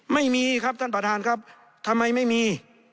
ไม่มีครับท่านประธานครับทำไมไม่มี